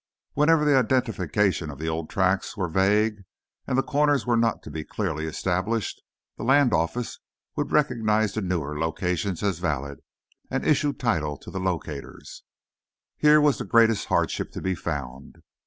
Wherever the identifications of the old tracts were vague, and the corners were not to be clearly established, the Land Office would recognize the newer locations as valid, and issue title to the locators. Here was the greatest hardship to be found.